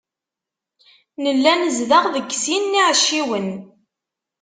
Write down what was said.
Nella nezdeɣ deg sin n iɛecciwen.